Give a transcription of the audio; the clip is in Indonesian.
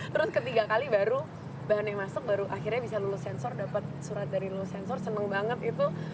terus ketiga kali baru bahan yang masuk baru akhirnya bisa lulus sensor dapat surat dari lulus sensor seneng banget itu